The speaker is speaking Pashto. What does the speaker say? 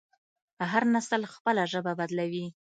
هر نسل خپله ژبه بدلوي.